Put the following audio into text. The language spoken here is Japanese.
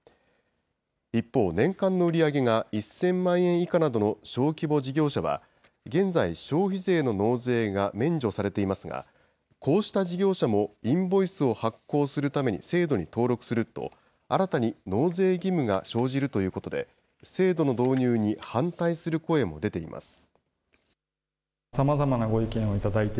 一方、年間の売り上げが１０００万円以下などの小規模事業者は、現在、消費税の納税が免除されていますが、こうした事業者もインボイスを発行するために制度に登録すると、新たに納税義務が生じるということで、制度の導入に反対する声も出ています。